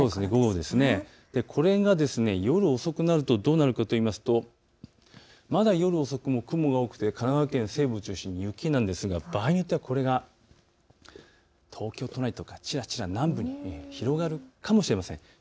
これから夜遅くなるとどうなるかと言いますと、夜遅くも雲が多くて神奈川県西部を中心に雪なんですが場合によってはこれが東京都内、ちらちら広がるかもしれません。